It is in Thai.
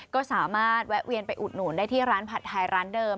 ก็สามารถแวะเวียนไปอุดหนุนได้ที่ร้านผัดไทยร้านเดิม